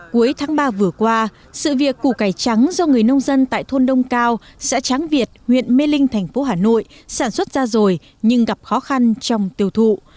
cuối tháng ba vừa qua sự việc củ cải trắng do người nông dân tại thôn đông cao xã tráng việt huyện mê linh thành phố hà nội sản xuất ra rồi nhưng gặp khó khăn trong tiêu thụ